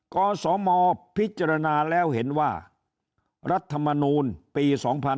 กศมพิจารณาแล้วเห็นว่ารัฐมนูลปี๒๕๕๙